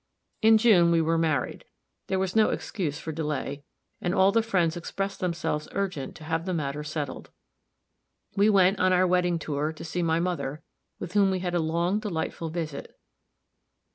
In June we were married; there was no excuse for delay, and all the friends expressed themselves urgent to have the matter settled. We went, on our wedding tour, to see my mother, with whom we had a long, delightful visit.